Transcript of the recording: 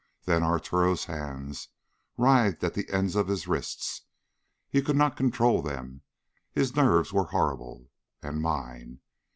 Then Arturo's hands writhed at the ends of his wrists. He could not control them. His nerves were horrible. And mine.